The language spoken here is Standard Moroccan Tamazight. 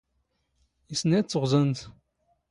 ⵉⵙ ⵏⵉⵜ ⵜⵖⵥⴰⵏⵜ!